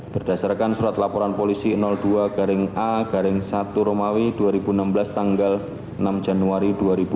berdasarkan surat laporan polisi dua a garing satu romawi dua ribu enam belas tanggal enam januari dua ribu dua puluh